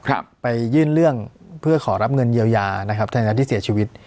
ครับไปยื่นเรื่องเพื่อขอรับเงินเยียวยานะครับในฐานะที่เสียชีวิต